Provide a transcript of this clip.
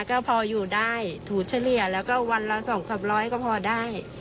ก็พออยู่ได้ถูเฉลี่ยแล้วก็วันละ๒๓๐๐ก็พอได้